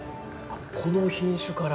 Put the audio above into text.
この品種から？